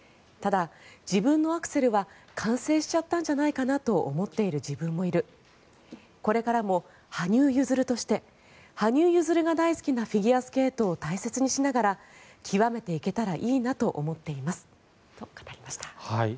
ただ、自分のアクセルは完成しちゃったんじゃないかなと思っている自分もいるこれからも羽生結弦として羽生結弦が大好きなフィギュアスケートを大切にしながら極めていけたらいいなと思っていますと語りました。